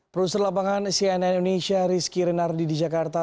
produser lapangan cnn indonesia rizky renardi di jakarta